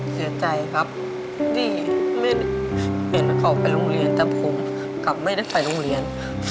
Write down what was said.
เฉยจากที่สุดเหมือนเขาไปโรงเรียนและหัวโครงกลับไม่ได้ไปโรงเรียน